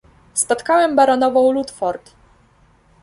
Spotkałem baronową Ludford